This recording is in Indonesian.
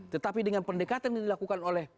tetapi dengan pendekatan yang dilakukan oleh